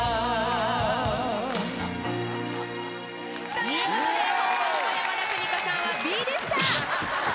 ということで本物の山田邦子さんはＢでした。